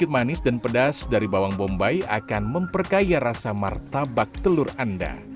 manis dan pedas dari bawang bombay akan memperkaya rasa martabak telur anda